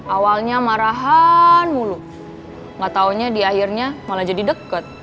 awalnya marahan mulu nggak taunya di akhirnya malah jadi deket